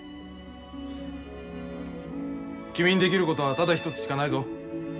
君にできることはただ一つしかないぞ。